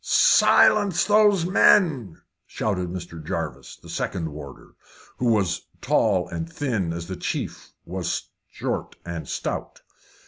"Silence those men!" shouted Mr. Jarvis, the second warder, who was tall and thin as the chief was short and stout.